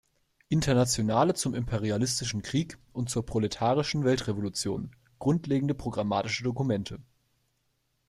Internationale zum imperialistischen Krieg und zur proletarischen Weltrevolution" grundlegende programmatische Dokumente.